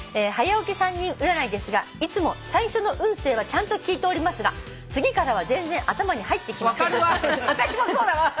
「『はや起き３人占い』ですがいつも最初の運勢はちゃんと聞いておりますが次からは全然頭に入ってきません」